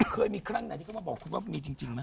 เคยมีครั้งไหนที่เขามาบอกคุณว่ามีจริงไหม